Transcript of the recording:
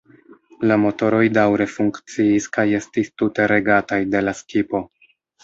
La motoroj daŭre funkciis kaj estis tute regataj de la skipo.